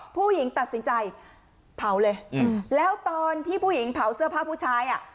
ผู้หญิงตัดสินใจเผาเลยแล้วตอนที่ผู้หญิงเผาเสื้อผ้าผู้ชายอ่ะ